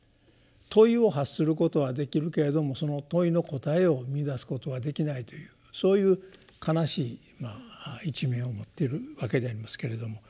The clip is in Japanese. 問いを発することはできるけれどもその問いの答えを見いだすことはできないというそういう悲しい一面を持ってるわけでありますけれども。